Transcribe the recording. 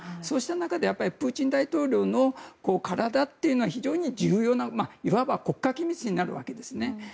そうした中でプーチン大統領の体というのは非常に重要ないわば国家機密になるわけです。